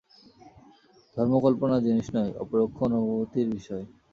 ধর্ম কল্পনার জিনিষ নয়, অপরোক্ষ অনুভূতির বিষয়।